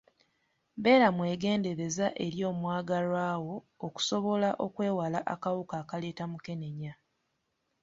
Beera mwegendereza eri omwagalwa wo okusobola okwewala akawuka akaleeta mukenenya.